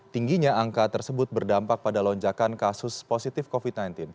tingginya angka tersebut berdampak pada lonjakan kasus positif covid sembilan belas